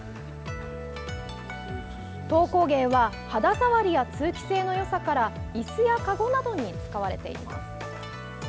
籐工芸は肌触りや通気性のよさからいすやかごなどに使われています。